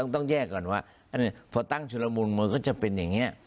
ต้องแยกก่อนว่าพอตั้งชุดละมุนมันก็จะเป็นอย่างนี้